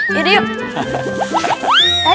ayo deh yuk